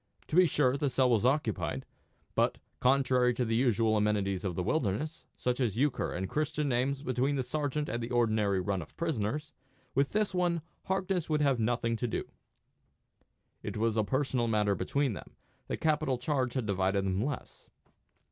To be sure, the cell was occupied; but, contrary to the usual amenities of the wilderness, such as euchre and Christian names between the sergeant and the ordinary run of prisoners, with this one Harkness would have nothing to do. It was a personal matter between them: the capital charge had divided them less.